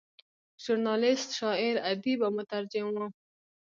ژورنالیسټ، شاعر، ادیب او مترجم و.